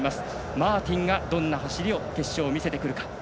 マーティンがどんな走りを決勝見せてくるか。